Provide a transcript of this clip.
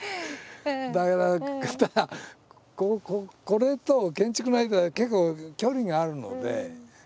これと建築の間は結構距離があるので。